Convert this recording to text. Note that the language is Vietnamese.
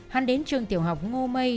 hắn đến trường tiểu học ngô mây